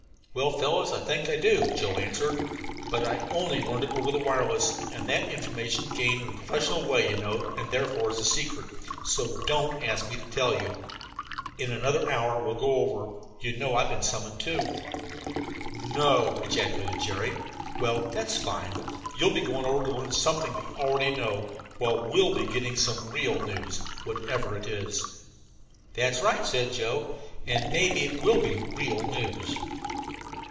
"Well, fellows, I think I do," Joe answered. "But I only learned it over the wireless and that's information gained in a professional way, you know, and therefore secret. So don't ask me to tell you. In another hour we'll go over. You know I've been summoned, too." "No!" ejaculated Jerry. "Well, that's fine. But you'll be going over to learn something that you already know, while we'll be getting some real news, whatever it is." "That's right," said Joe. "And maybe it will be real news."